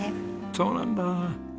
そうなんだ。